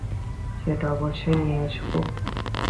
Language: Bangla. সেটা অবশ্যই নিয়ে আসব।